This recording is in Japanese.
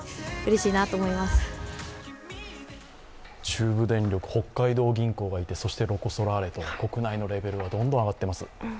中部電力、北海道銀行がいて、そしてロコ・ソラーレと、国内のレベルはどんどん上がってます。